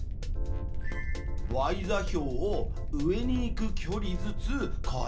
「ｙ座標を上に行く距離ずつ変える」。